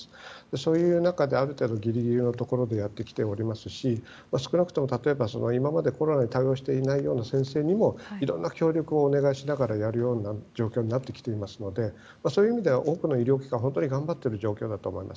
そういう中で、ある程度ギリギリのところでやってきておりますし少なくとも今までコロナに対応していないような先生にもいろんな協力をお願いしながらやるような状況になっていますので多くの医療機関は本当に頑張っている状況だと思います。